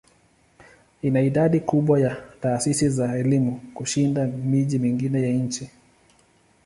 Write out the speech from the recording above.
Ina idadi kubwa ya taasisi za elimu kushinda miji mingine ya nchi.